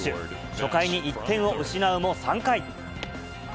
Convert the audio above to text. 初回に１点を失うも、３回。